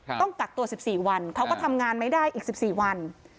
ต้องกักตัวสิบสี่วันเขาก็ทำงานไม่ได้อีกสิบสี่วัน